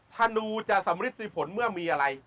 ธนูจะสำริดมีผลเมื่อมีอะไร